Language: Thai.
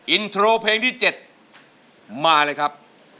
อินโทรเพลงที่๗มาเลยครับ